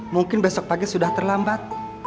mungkin besok pagi sudah terlambat